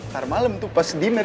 nanti malem tuh pas dinner